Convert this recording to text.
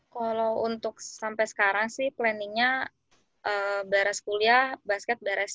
kalau untuk sampai sekarang sih planningnya beres kuliah basket beres sih